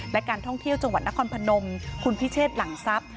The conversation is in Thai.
และการท่องเที่ยวจังหวัดนครพนมคุณพิเชษหลังทรัพย์